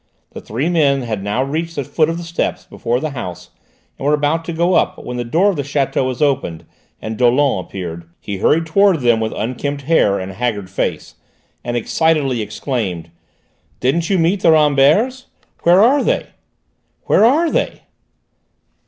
The three men had now reached the foot of the steps before the house and were about to go up when the door of the château was opened and Dollon appeared. He hurried towards them, with unkempt hair and haggard face, and excitedly exclaimed: "Didn't you meet the Ramberts? Where are they? Where are they?"